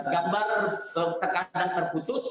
gambar tekanan terputus